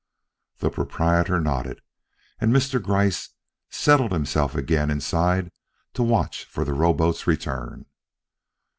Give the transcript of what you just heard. The proprietor nodded, and Mr. Gryce settled himself again inside to watch for the rowboat's return.